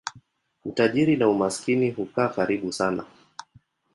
Utajiri na umaskini hukaa karibu sana.